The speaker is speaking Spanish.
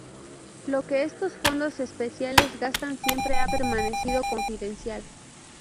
Lo que estos fondos especiales gastan siempre ha permanecido confidencial.